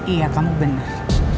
iya kamu benar